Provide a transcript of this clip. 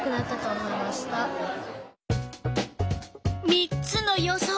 ３つの予想